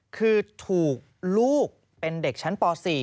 คือถูกลูกเป็นเด็กชั้นป๔